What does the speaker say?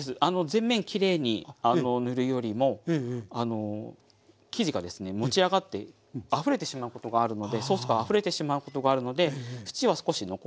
全面きれいに塗るよりも生地がですね持ち上がってあふれてしまうことがあるのでソースがあふれてしまうことがあるので縁は少し残しといて下さい。